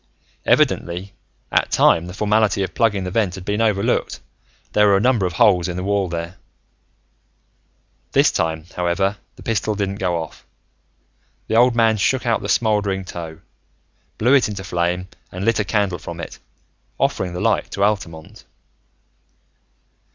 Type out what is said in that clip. Evidently, at time the formality of plugging the vent had been overlooked: there were a number of holes in the wall there. This time, however, the pistol didn't go off. The old man shook out the smoldering tow, blew it into flame, and lit a candle from it, offering the light to Altamont.